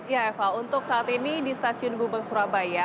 ya eva untuk saat ini di stasiun gubeng surabaya